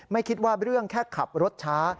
ไม่คิดว่าเรื่องแค่ขับรถช้า